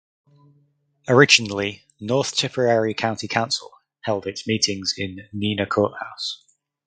Originally North Tipperary County Council held its meetings in Nenagh Courthouse.